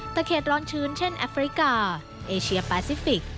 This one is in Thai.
เขตร้อนชื้นเช่นแอฟริกาเอเชียแปซิฟิกส